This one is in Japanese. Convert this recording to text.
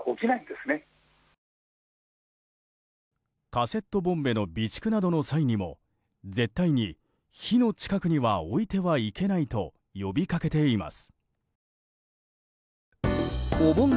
カセットボンベの備蓄などの際にも絶対に、火の近くには置いてはいけないと呼びかけています。